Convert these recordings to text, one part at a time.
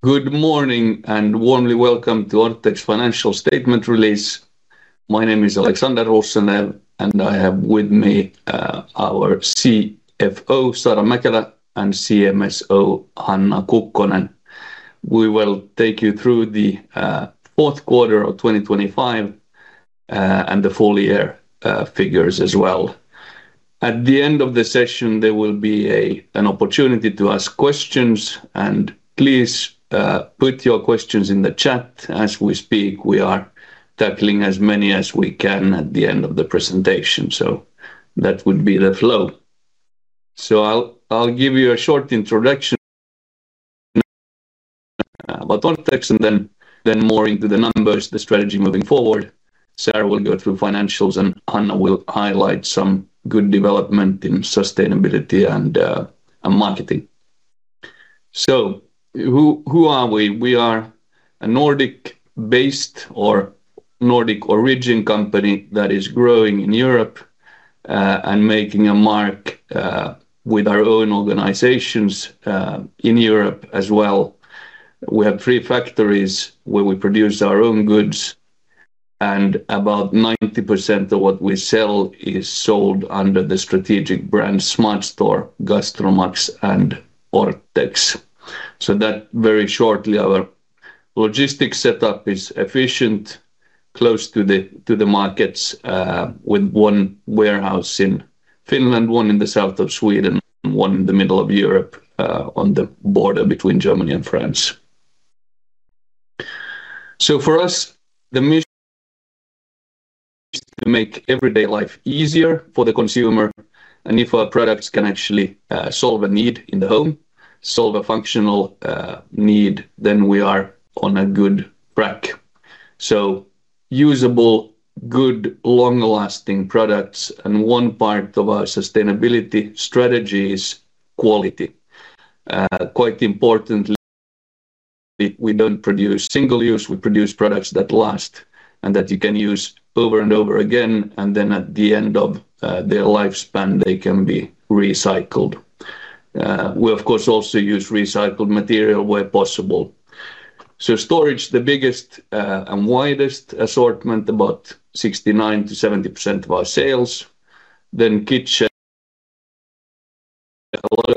Good morning, and warmly welcome to Orthex Financial Statement Release. My name is Alexander Rosenlew, and I have with me our CFO, Saara Mäkelä, and CMSO, Hanna Kukkonen. We will take you through the fourth quarter of 2025, and the full year figures as well. At the end of the session, there will be an opportunity to ask questions. Please put your questions in the chat as we speak. We are tackling as many as we can at the end of the presentation. That would be the flow. I'll give you a short introduction about Orthex and then more into the numbers, the strategy moving forward. Saara will go through financials and Hanna will highlight some good development in sustainability and marketing. Who are we? We are a Nordic-based or Nordic-origin company that is growing in Europe, and making a mark, with our own organizations, in Europe as well. We have three factories where we produce our own goods and about 90% of what we sell is sold under the strategic brand SmartStore, GastroMax and Orthex. That very shortly, our logistics setup is efficient, close to the, to the markets, with one warehouse in Finland, one in the south of Sweden, one in the middle of Europe, on the border between Germany and France. For us, the mission to make everyday life easier for the consumer, and if our products can actually, solve a need in the home, solve a functional, need, then we are on a good track. Usable, good, long-lasting products, and one part of our sustainability strategy is quality. Quite importantly, we don't produce single-use. We produce products that last and that you can use over and over again, and then at the end of their lifespan, they can be recycled. We of course, also use recycled material where possible. Storage, the biggest and widest assortment, about 69%-70% of our sales. Kitchen, a lot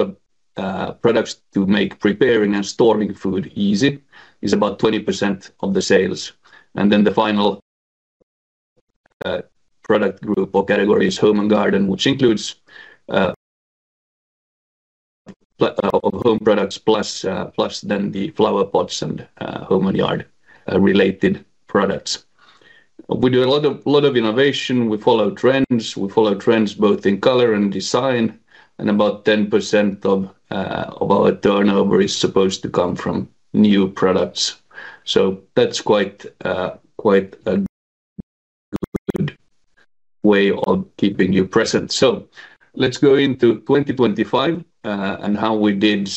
of products to make preparing and storing food easy is about 20% of the sales. The final product group or category is home and garden, which includes home products plus then the flower pots and home and yard related products. We do a lot of, lot of innovation. We follow trends. We follow trends both in color and design, about 10% of our turnover is supposed to come from new products. That's quite a good way of keeping you present. Let's go into 2025 and how we did.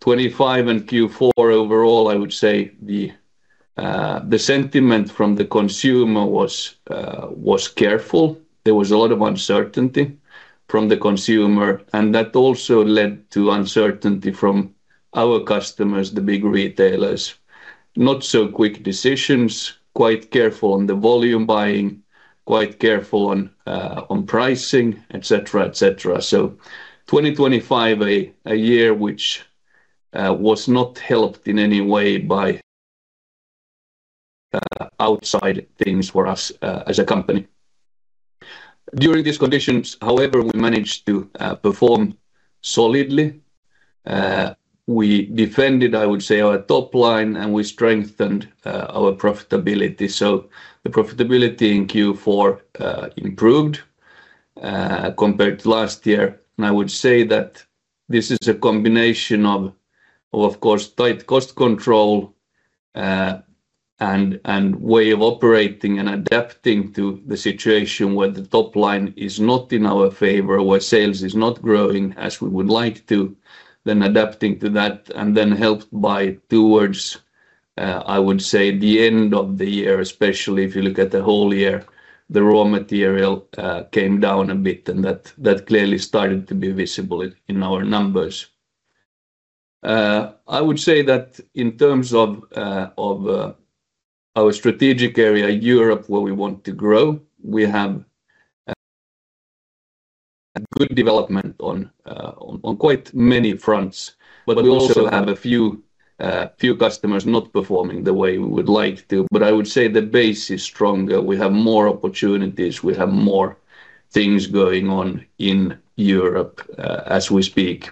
25 and Q4 overall, I would say the sentiment from the consumer was careful. There was a lot of uncertainty from the consumer, and that also led to uncertainty from our customers, the big retailers. Not so quick decisions, quite careful on the volume buying, quite careful on pricing, etc., etc. 2025, a year which was not helped in any way by outside things for us as a company. During these conditions, however, we managed to perform solidly. We defended, I would say, our top line, and we strengthened our profitability. The profitability in Q4 improved compared to last year. And I would say that this is a combination of, of course, tight cost control, uh, and, and way of operating and adapting to the situation where the top line is not in our favor, where sales is not growing as we would like to, then adapting to that. And then helped by towards, I would say the end of the year, especially if you look at the whole year, the raw material, came down a bit, and that, that clearly started to be visible in, in our numbers. I would say that in terms of, of, our strategic area, Europe, where we want to grow, we have a good development on quite many fronts. But we also have a few, few customers not performing the way we would like to. But I would say the base is stronger. We have more opportunities. We have more things going on in Europe as we speak.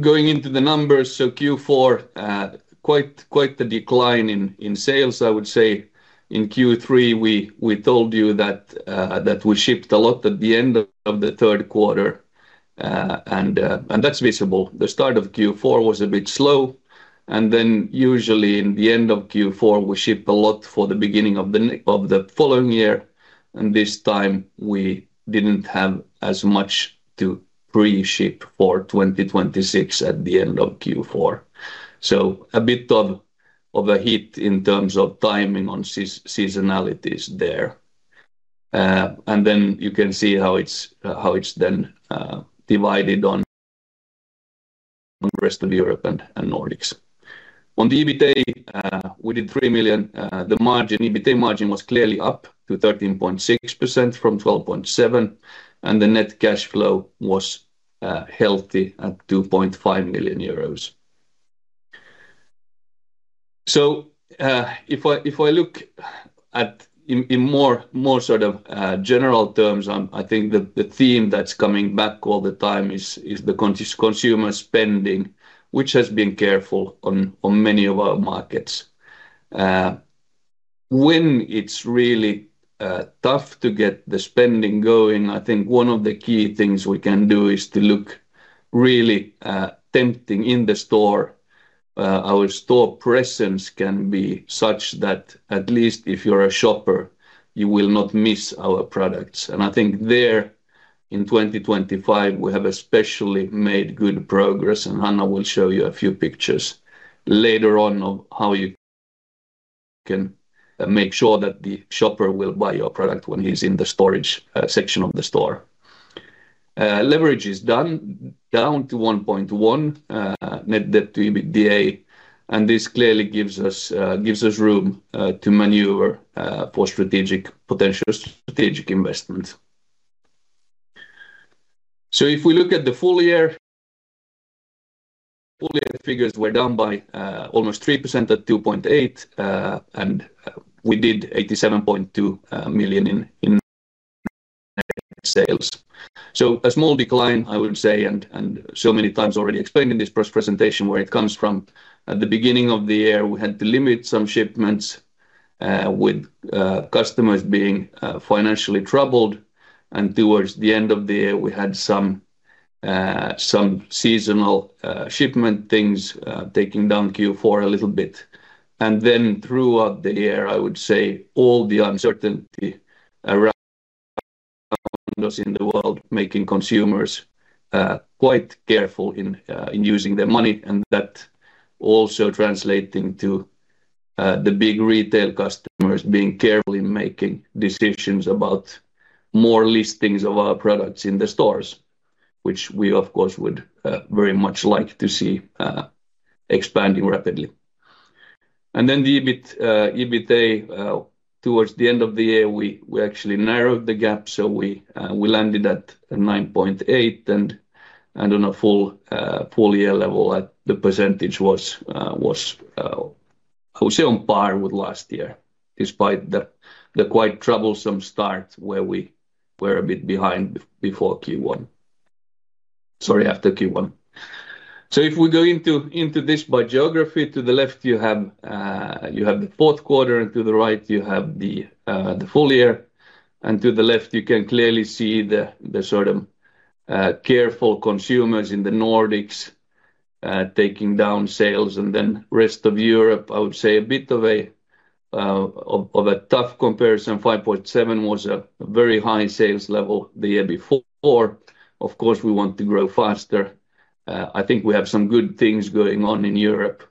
Going into the numbers. Q4, quite the decline in sales, I would say. In Q3 we told you that we shipped a lot at the end of the third quarter, and that's visible. The start of Q4 was a bit slow, and then usually in the end of Q4, we ship a lot for the beginning of the following year, and this time we didn't have as much to pre-ship for 2026 at the end of Q4. A bit of a hit in terms of timing on sea-seasonalities there. You can see how it's divided on rest of Europe and Nordics. On the EBITA, we did 3 million. The margin, EBITA margin was clearly up to 13.6% from 12.7%, and the net cash flow was healthy at 2.5 million euros. If I look at in more sort of general terms, I think the theme that's coming back all the time is the consumer spending, which has been careful on many of our markets. When it's really tough to get the spending going, I think one of the key things we can do is to look really tempting in the store. Our store presence can be such that at least if you're a shopper, you will not miss our products. In 2025, we have especially made good progress, and Hanna will show you a few pictures later on of how you can make sure that the shopper will buy your product when he's in the storage section of the store. Leverage is down to 1.1 net debt to EBITDA, and this clearly gives us room to maneuver for potential strategic investments. If we look at the full year, full year figures were down by almost 3% at 2.8%, and we did 87.2 million in sales. A small decline, I would say, and so many times already explained in this presentation where it comes from. At the beginning of the year, we had to limit some shipments, with, customers being, financially troubled. Towards the end of the year, we had some seasonal, shipment things, taking down Q4 a little bit. Throughout the year, I would say all the uncertainty around us in the world, making consumers, quite careful in using their money, and that also translating to, the big retail customers being careful in making decisions about more listings of our products in the stores, which we of course would, very much like to see, expanding rapidly. The EBITA towards the end of the year, we actually narrowed the gap. We landed at a 9.8% and on a full year level at the % was, I would say, on par with last year, despite the quite troublesome start where we were a bit behind before Q1. Sorry, after Q1. If we go into this by geography, to the left you have the fourth quarter, to the right you have the full year. To the left, you can clearly see the sort of careful consumers in the Nordics taking down sales. Rest of Europe, I would say, a bit of a tough comparison. 5.7 was a very high sales level the year before. Of course, we want to grow faster. I think we have some good things going on in Europe.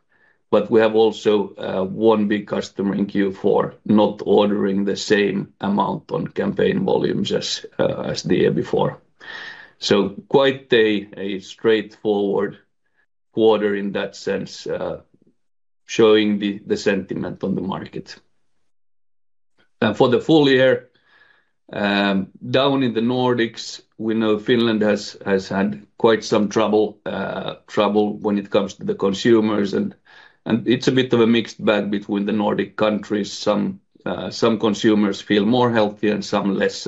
We have also one big customer in Q4 not ordering the same amount on campaign volumes as the year before. Quite a straightforward quarter in that sense, showing the sentiment on the market. For the full year, down in the Nordics, we know Finland has had quite some trouble when it comes to the consumers and it's a bit of a mixed bag between the Nordic countries. Some consumers feel more healthy and some less.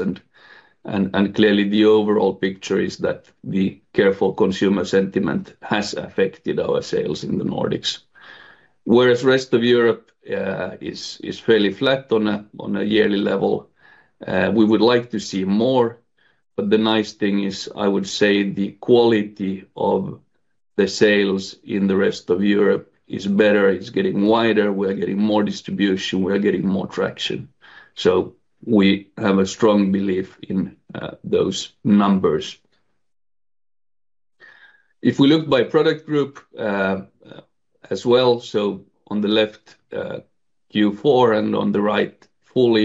Clearly the overall picture is that the careful consumer sentiment has affected our sales in the Nordics. Whereas rest of Europe is fairly flat on a yearly level. We would like to see more, but the nice thing is, I would say the quality of the sales in the rest of Europe is better. It's getting wider. We are getting more distribution. We are getting more traction. We have a strong belief in those numbers. If we look by product group as well, on the left Q4 and on the right full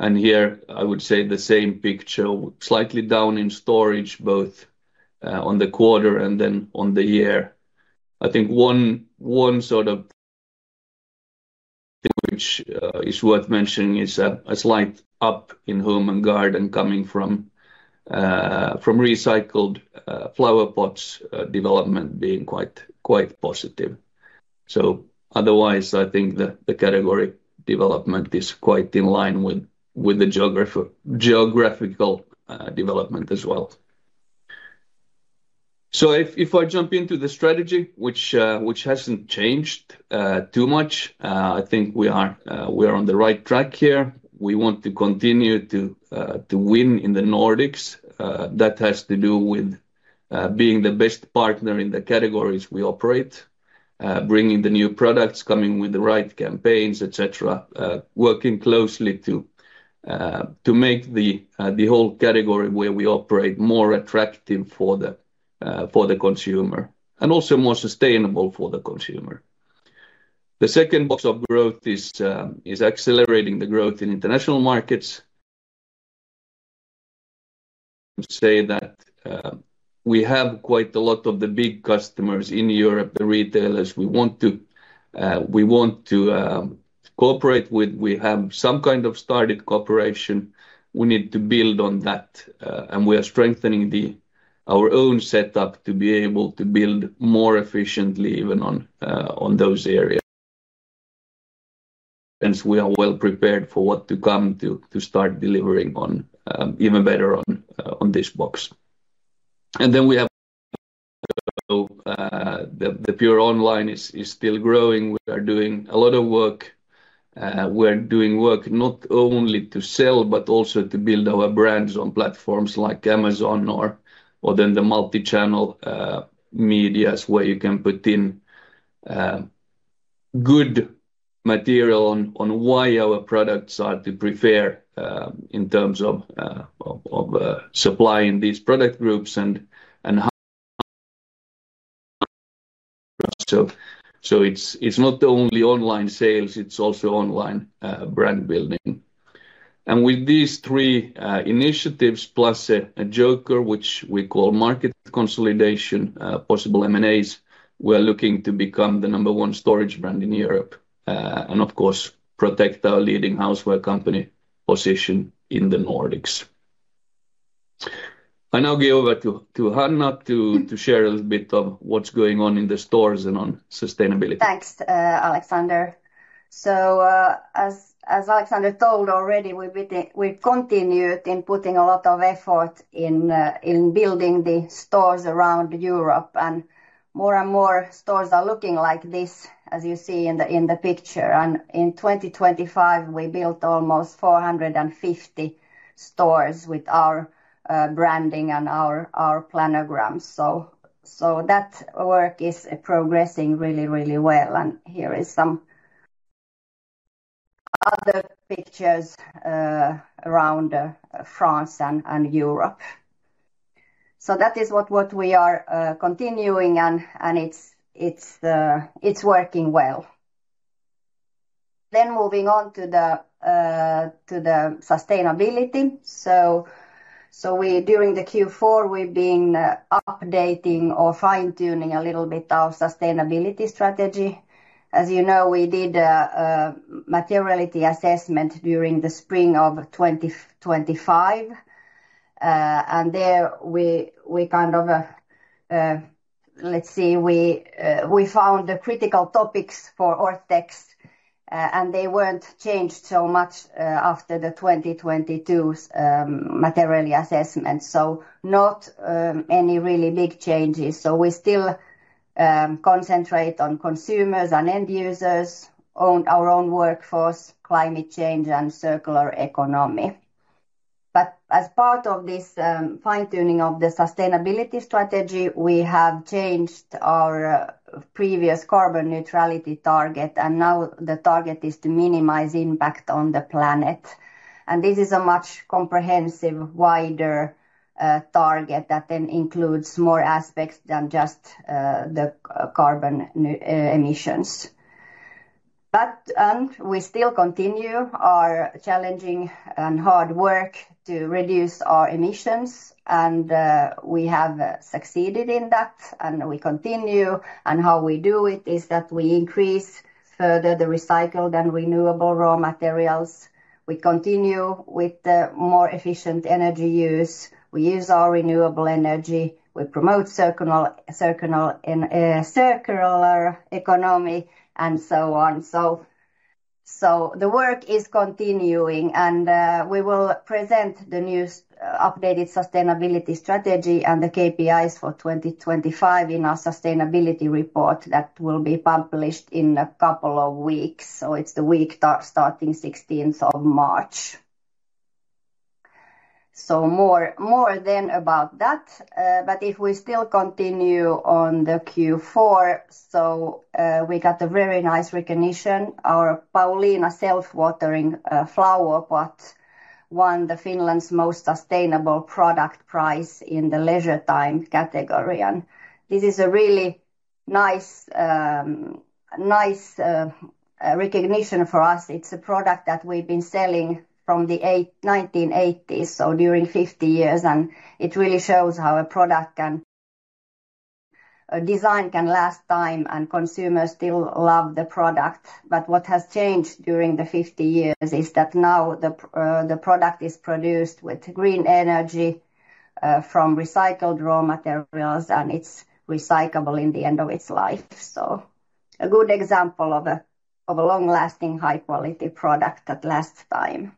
year, here I would say the same picture, slightly down in storage both on the quarter and then on the year. I think one sort of thing which is worth mentioning is a slight up in home and garden coming from recycled flower pots development being quite positive. Otherwise, I think the category development is quite in line with the geographical development as well. If I jump into the strategy, which hasn't changed too much, I think we are on the right track here. We want to continue to win in the Nordics. That has to do with being the best partner in the categories we operate, bringing the new products, coming with the right campaigns, et cetera. Working closely to make the whole category where we operate more attractive for the consumer and also more sustainable for the consumer. The second box of growth is accelerating the growth in international markets. Say that we have quite a lot of the big customers in Europe, the retailers we want to cooperate with. We have some kind of started cooperation. We need to build on that. We are strengthening our own setup to be able to build more efficiently even on those areas. Since we are well prepared for what to come to start delivering on even better on this box. Then we have also the pure online is still growing. We are doing a lot of work. We're doing work not only to sell, but also to build our brands on platforms like Amazon or then the multi-channel medias where you can put in good material on why our products are to prefer in terms of supplying these product groups. It's not only online sales, it's also online brand building. With these 3 initiatives plus a joker, which we call market consolidation, possible M&As, we are looking to become the number 1 storage brand in Europe. Of course, protect our leading houseware company position in the Nordics. I now give over to Hanna to share a little bit of what's going on in the stores and on sustainability. Thanks, Alexander. As Alexander told already, we've continued in putting a lot of effort in building the stores around Europe. More and more stores are looking like this, as you see in the picture. In 2025, we built almost 450 stores with our branding and our planograms. That work is progressing really, really well. Here is some other pictures around France and Europe. That is what we are continuing and it's working well. Moving on to the sustainability. During the Q4, we've been updating or fine-tuning a little bit our sustainability strategy. As you know, we did a materiality assessment during the spring of 2025. There we kind of, let's see, we found the critical topics for Orthex. They weren't changed so much after the 2022's materially assessment. Not any really big changes. We still concentrate on consumers and end users, on our own workforce, climate change and circular economy. As part of this fine-tuning of the sustainability strategy, we have changed our previous carbon neutrality target, and now the target is to minimize impact on the planet. This is a much comprehensive, wider target that then includes more aspects than just the carbon emissions. We still continue our challenging and hard work to reduce our emissions, and we have succeeded in that, and we continue. How we do it is that we increase further the recycled and renewable raw materials. We continue with the more efficient energy use. We use our renewable energy. We promote circular economy, and so on. The work is continuing, and we will present the updated sustainability strategy and the KPIs for 2025 in our sustainability report that will be published in a couple of weeks. It's the week starting 16th of March. More then about that. If we still continue on the Q4, we got a very nice recognition. Our Paulina self-watering flower pot won the Finland's Most Sustainable Product Prize in the Leisure Time category. This is a really nice recognition for us. It's a product that we've been selling from the 1980s, so during 50 years. It really shows how a product and design can last time, and consumers still love the product. What has changed during the 50 years is that now the product is produced with green energy from recycled raw materials, and it's recyclable in the end of its life. A good example of a long-lasting, high-quality product that lasts time.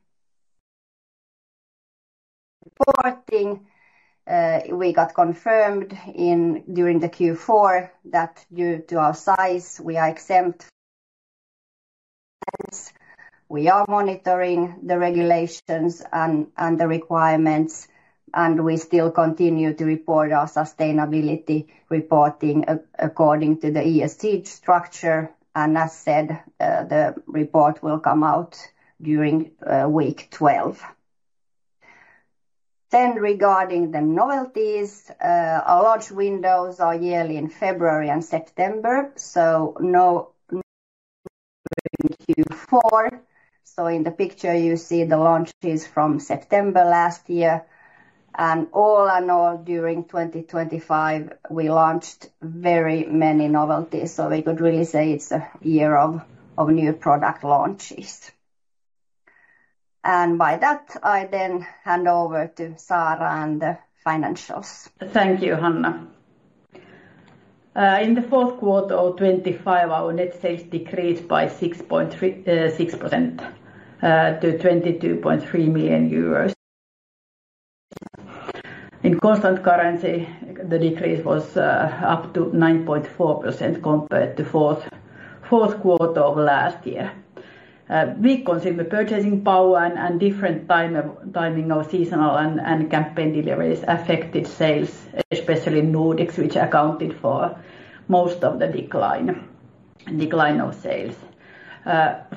Reporting, we got confirmed during the Q4 that due to our size, we are exempt. We are monitoring the regulations and the requirements, and we still continue to report our sustainability reporting according to the ESG structure. As said, the report will come out during week 12. Regarding the novelties, our launch windows are yearly in February and September, in Q4. In the picture, you see the launches from September last year, and all in all, during 2025, we launched very many novelties. We could really say it's a year of new product launches. By that, I then hand over to Saara and the financials. Thank you, Hanna. In the fourth quarter of 2025, our net sales decreased by 6%, to 22.3 million euros. In constant currency, the decrease was up to 9.4% compared to fourth quarter of last year. Weak consumer purchasing power and different timing of seasonal and campaign deliveries affected sales, especially Nordics, which accounted for most of the decline of sales.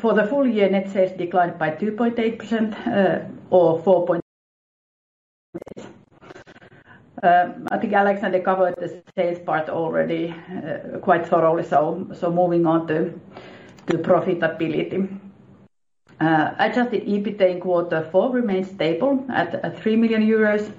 For the full year, net sales declined by 2.8%, or four point I think Alexander covered the sales part already quite thoroughly, so moving on to profitability. Adjusted EBITA in quarter four remained stable at 3 million euros,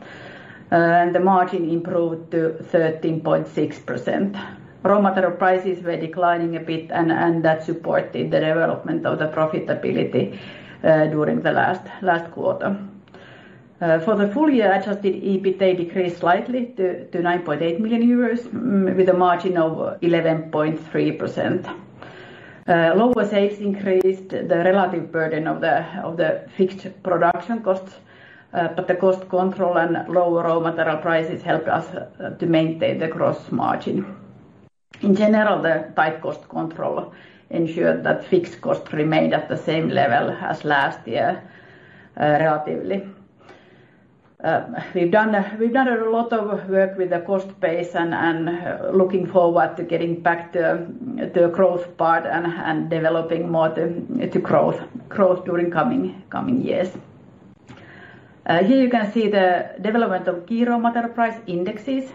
and the margin improved to 13.6%. Raw material prices were declining a bit, and that supported the development of the profitability during the last quarter. For the full year, adjusted EBITA decreased slightly to 9.8 million euros with a margin of 11.3%. Lower sales increased the relative burden of the fixed production costs, but the cost control and lower raw material prices helped us to maintain the gross margin. In general, the tight cost control ensured that fixed costs remained at the same level as last year, relatively. We've done a lot of work with the cost base and looking forward to getting back to the growth part and developing more to growth during coming years. Here you can see the development of key raw material price indexes.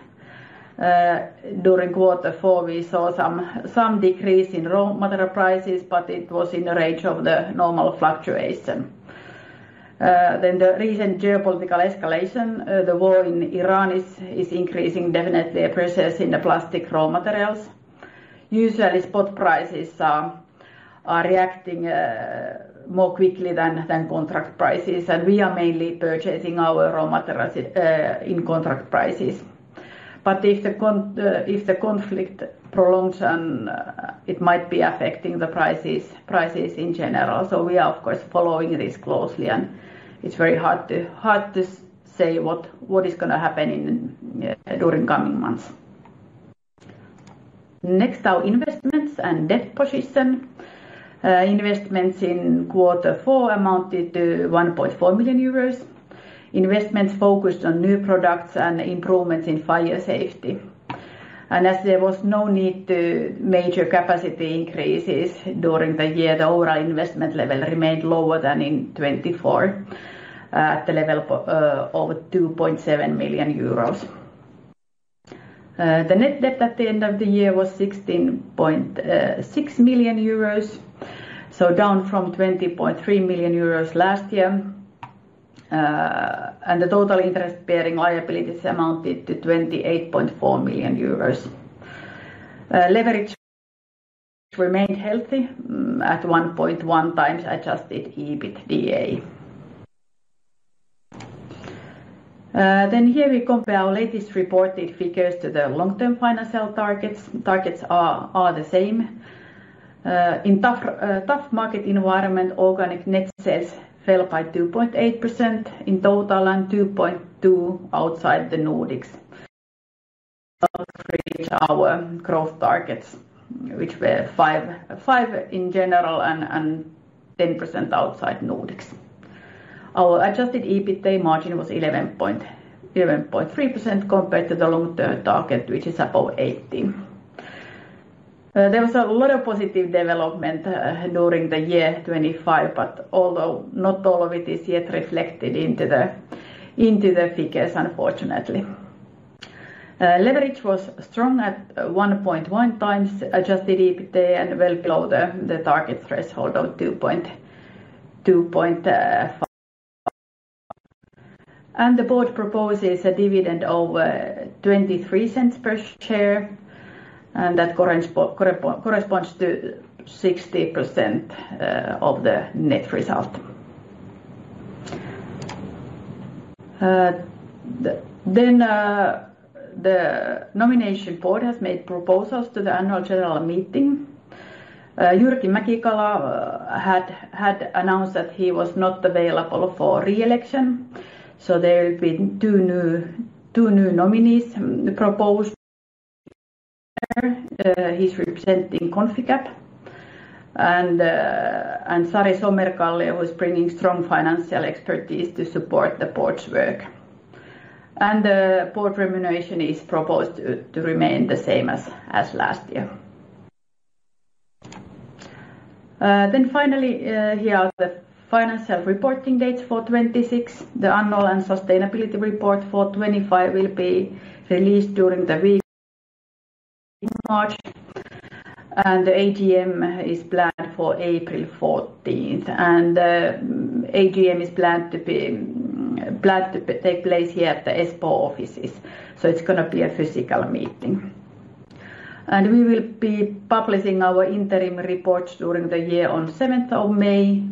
During Q4, we saw some decrease in raw material prices, but it was in the range of the normal fluctuation. The recent geopolitical escalation, the war in Ukraine is increasing definitely prices in the plastic raw materials. Usually, spot prices are reacting more quickly than contract prices, and we are mainly purchasing our raw materials in contract prices. If the conflict prolongs, then it might be affecting the prices in general. We are of course following this closely and it's very hard to say what is gonna happen in during coming months. Our investments and debt position. Investments in Q4 amounted to 1.4 million euros. Investments focused on new products and improvements in fire safety. As there was no need to major capacity increases during the year, the overall investment level remained lower than in 2024, at the level of 2.7 million euros. The net debt at the end of the year was 16.6 million euros, down from 20.3 million euros last year. The total interest-bearing liabilities amounted to 28.4 million euros. Leverage remained healthy at 1.1x adjusted EBITDA. Here we compare our latest reported figures to the long-term financial targets. Targets are the same. In tough market environment, organic net sales fell by 2.8% in total and 2.2% outside the Nordics. Our growth targets, which were 5% in general and 10% outside Nordics. Our adjusted EBITA margin was 11.3% compared to the long-term target, which is above 18%. There was a lot of positive development during the year 2025, although not all of it is yet reflected into the figures, unfortunately. Leverage was strong at 1.1 times adjusted EBITA and well below the target threshold of 2.5. The board proposes a dividend of 0.23 per share, and that corresponds to 60% of the net result. The nomination board has made proposals to the annual general meeting. Jyrki Mäki-Kala had announced that he was not available for re-election, there's been two new nominees proposed. He's representing Conficap. Sari Somerkallio, who is bringing strong financial expertise to support the board's work. The board remuneration is proposed to remain the same as last year. Finally, here are the financial reporting dates for 2026. The annual and sustainability report for 2025 will be released during the week in March. The AGM is planned for April 14th. AGM is planned to take place here at the Espoo offices, so it's gonna be a physical meeting. We will be publishing our interim reports during the year on 7th of May,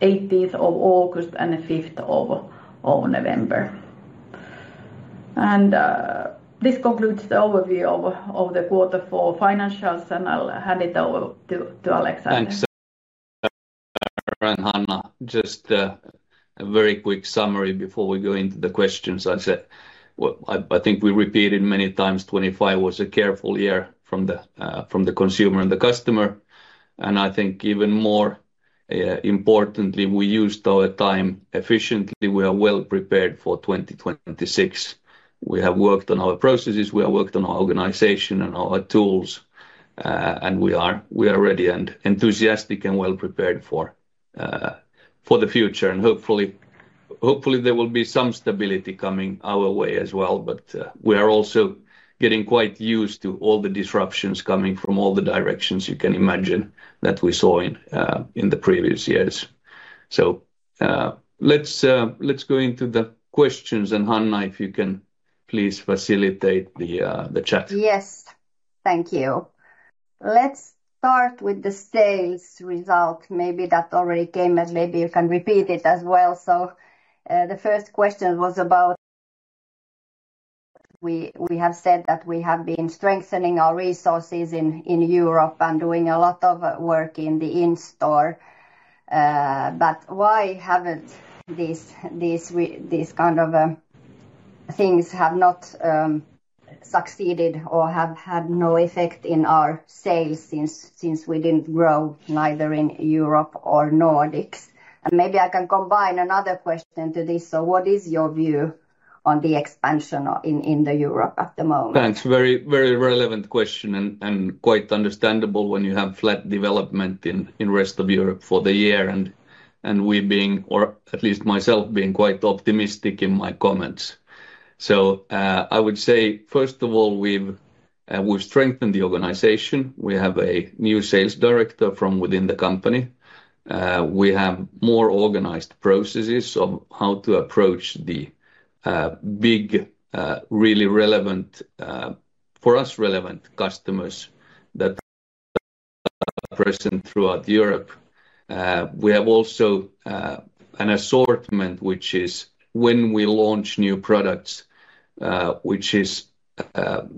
18th of August, and 5th of November. This concludes the overview of the quarter for financials, and I'll hand it over to Alexander. Thanks, Saara and Hanna. Just a very quick summary before we go into the questions. I said. Well, I think we repeated many times 25 was a careful year from the consumer and the customer. I think even more importantly, we used our time efficiently. We are well prepared for 2026. We have worked on our processes, we have worked on our organization and our tools, and we are ready and enthusiastic and well prepared for the future. Hopefully, there will be some stability coming our way as well. We are also getting quite used to all the disruptions coming from all the directions you can imagine that we saw in the previous years. Let's go into the questions. Hanna, if you can please facilitate the chat. Yes. Thank you. Let's start with the sales result. Maybe that already came, and maybe you can repeat it as well. The first question was about we have said that we have been strengthening our resources in Europe and doing a lot of work in the in-store. Why haven't these kind of things have not succeeded or have had no effect in our sales since we didn't grow neither in Europe or Nordics? Maybe I can combine another question to this. What is your view on the expansion in Europe at the moment? Thanks. Very, very relevant question and quite understandable when you have flat development in rest of Europe for the year and we being, or at least myself, being quite optimistic in my comments. I would say, first of all, we've strengthened the organization. We have a new sales director from within the company. We have more organized processes of how to approach the big, really relevant, for us, relevant customers that are present throughout Europe. We have also an assortment which is when we launch new products, which is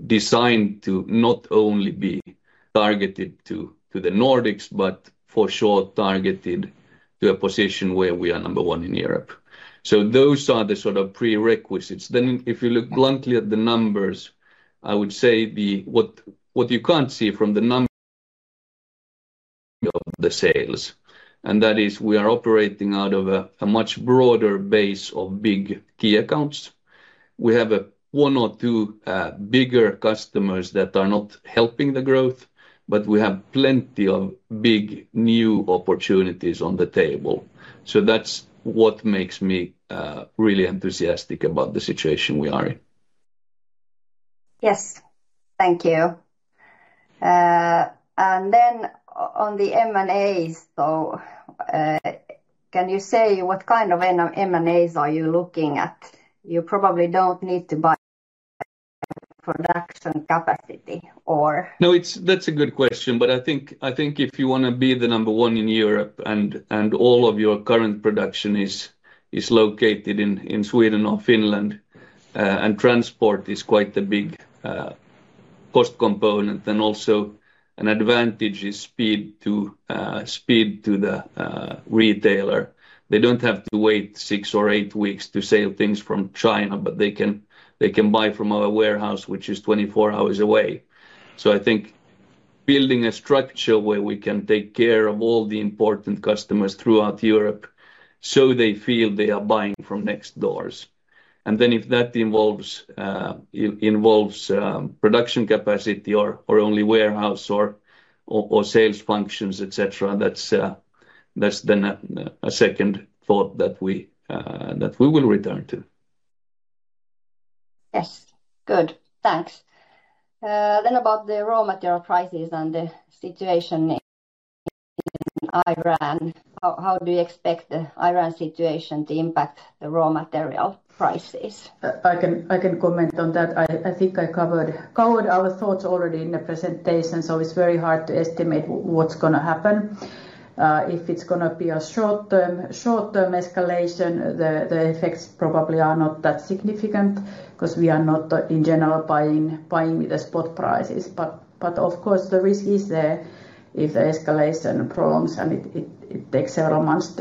designed to not only be targeted to the Nordics, but for sure targeted to a position where we are number one in Europe. Those are the sort of prerequisites. If you look bluntly at the numbers, I would say what you can't see from the of the sales, and that is we are operating out of a much broader base of big key accounts. We have one or two bigger customers that are not helping the growth, but we have plenty of big new opportunities on the table. That's what makes me really enthusiastic about the situation we are in. Yes. Thank you. On the M&As, can you say what kind of M&As are you looking at? You probably don't need to buy production capacity. That's a good question. I think, I think if you wanna be the number one in Europe and all of your current production is located in Sweden or Finland, and transport is quite a big cost component. Also an advantage is speed to the retailer. They don't have to wait six or eight weeks to sail things from China, but they can, they can buy from our warehouse, which is 24 hours away. I think building a structure where we can take care of all the important customers throughout Europe, so they feel they are buying from next doors. If that involves production capacity or only warehouse or, or sales functions, et cetera, that's then a second thought that we will return to. Yes. Good. Thanks. About the raw material prices and the situation in Ukraine, how do you expect the Ukraine situation to impact the raw material prices? I can comment on that. I think I covered our thoughts already in the presentation, so it's very hard to estimate what's gonna happen. If it's gonna be a short-term escalation, the effects probably are not that significant 'cause we are not, in general, buying with the spot prices. Of course, the risk is there if the escalation prolongs and it takes several months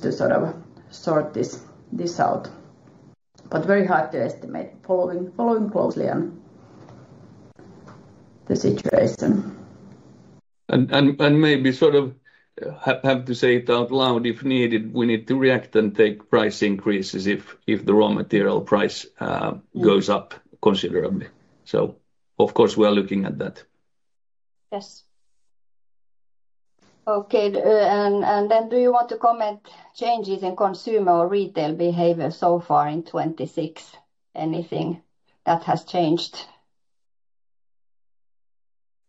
to sort of sort this out. Very hard to estimate. Following closely on the situation. Maybe sort of have to say it out loud if needed. We need to react and take price increases if the raw material price goes up considerably. Of course, we are looking at that. Yes. Okay. Do you want to comment changes in consumer or retail behavior so far in 2026? Anything that has changed?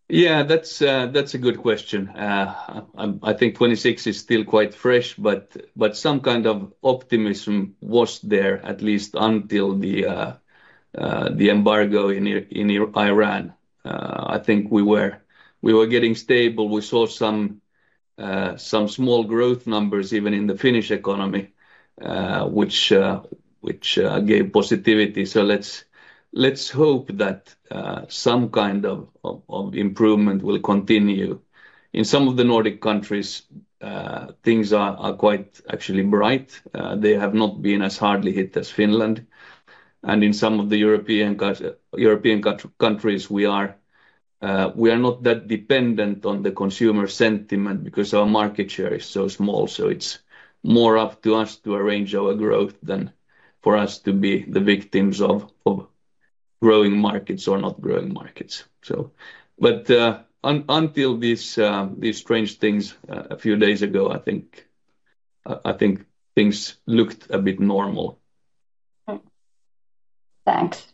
Yeah, that's a good question. I think 2026 is still quite fresh, but some kind of optimism was there at least until the embargo in Ukraine. I think we were getting stable. We saw some small growth numbers even in the Finnish economy, which gave positivity. Let's hope that some kind of improvement will continue. In some of the Nordic countries, things are quite actually bright. They have not been as hardly hit as Finland. In some of the European countries we are not that dependent on the consumer sentiment because our market share is so small. It's more up to us to arrange our growth than for us to be the victims of growing markets or not growing markets. Until these strange things a few days ago, I think things looked a bit normal. Thanks.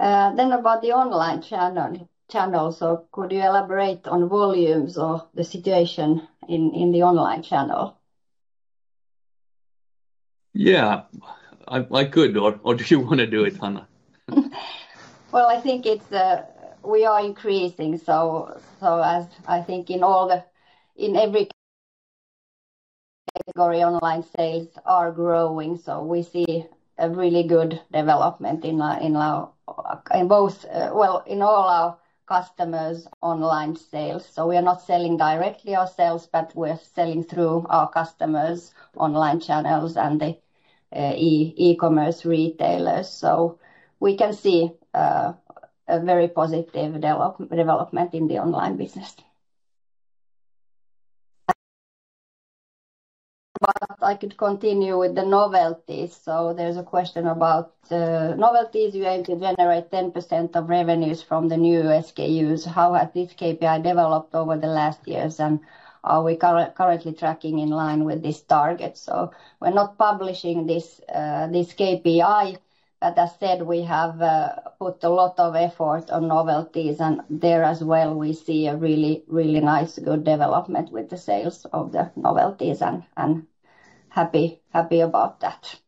About the online channel. Could you elaborate on volumes or the situation in the online channel? Yeah, I could or do you wanna do it, Hanna? I think it's we are increasing, so as I think in every category, online sales are growing. We see a really good development in our, in our, well, in all our customers' online sales. We are not selling directly ourselves, but we're selling through our customers' online channels and the e-commerce retailers. We can see a very positive development in the online business. I could continue with the novelties. There's a question about novelties. You aim to generate 10% of revenues from the new SKUs. How has this KPI developed over the last years, and are we currently tracking in line with this target? We're not publishing this KPI, but as said, we have put a lot of effort on novelties, and there as well, we see a really nice good development with the sales of the novelties and happy about that.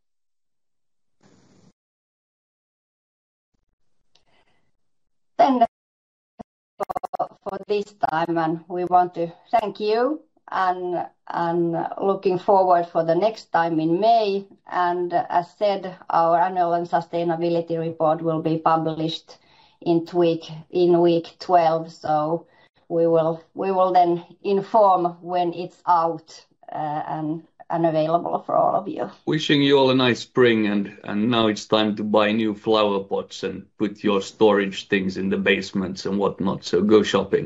For this time, we want to thank you and looking forward for the next time in May. As said, our annual and sustainability report will be published in week 12. We will then inform when it's out and available for all of you. Wishing you all a nice spring. Now it's time to buy new flower pots and put your storage things in the basements and whatnot. Go shopping.